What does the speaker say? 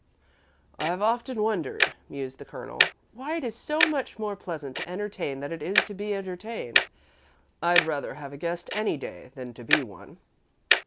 "I've often wondered," mused the Colonel, "why it is so much more pleasant to entertain than it is to be entertained. I'd rather have a guest any day than to be one."